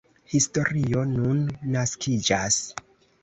Historio nun naskiĝas.